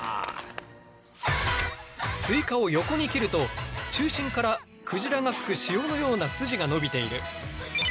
スイカを横に切ると中心からクジラが吹く潮のようなスジが伸びている。